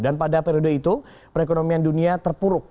dan pada periode itu perekonomian dunia terpuruk